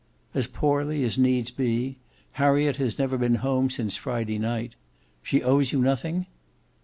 "As poorly as needs be. Harriet has never been home since Friday night. She owes you nothing?"